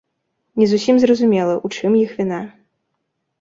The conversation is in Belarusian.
Не зусім зразумела, у чым іх віна.